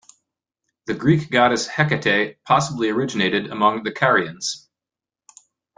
The Greek goddess Hecate possibly originated among the Carians.